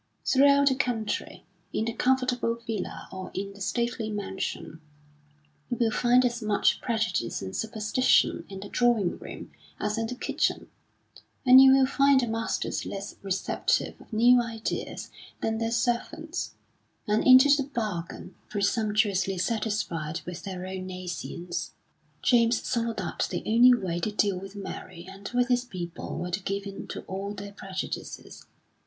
Throughout the country, in the comfortable villa or in the stately mansion, you will find as much prejudice and superstition in the drawing room as in the kitchen; and you will find the masters less receptive of new ideas than their servants; and into the bargain, presumptuously satisfied with their own nescience. James saw that the only way to deal with Mary and with his people was to give in to all their prejudices.